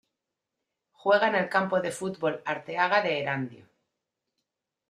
Juega en el Campo de Fútbol Arteaga de Erandio.